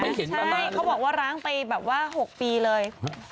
ใช่เขาบอกว่าร้างไปแบบว่า๖ปีเลย